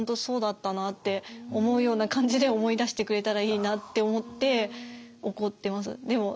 そうだったなって思うような感じで思い出してくれたらいいなって思って怒ってます。